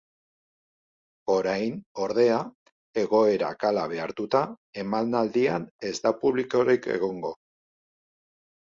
Orain, ordea, egoerak hala behartuta, emanaldian ez da publikorik egongo.